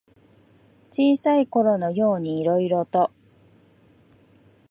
小さいころのようにいろいろと。